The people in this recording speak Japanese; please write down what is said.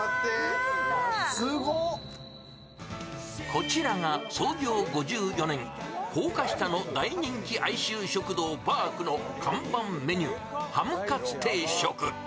こちらが創業５４年、高架下の大人気愛愁食堂・ばーくの看板メニュー、ハムカツ定食。